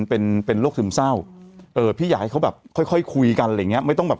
เป็นโรคซึมเศร้าพี่อยากให้เขาแบบค่อยคุยกันอะไรอย่างนี้ไม่ต้องแบบ